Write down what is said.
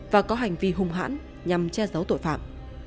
và có hành vi hung hãn nhằm che giấu tội phạm